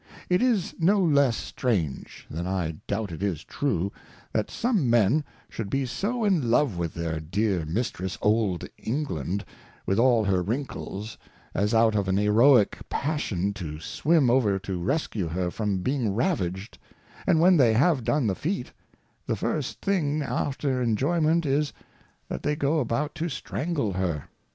It is no less strange, than I doubt it is true, that some Men should be so in Love with their dear Mistress, Old England, •with, all her Wrinkles, as out of an Heroick Passion to Swim over to rescue her from being Ravish'd ; and when they have done the Feat, the first thing after Enjoyment is, that they go about to Strangle her.